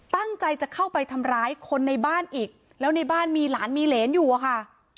ตั้งใจจะเข้าไปทำร้ายคนในบ้านอีกแล้วในบ้านมีหลานมีเหรนอยู่อะค่ะ